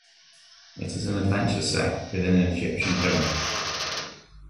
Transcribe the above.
It is an adventure set within an Egyptian pyramid.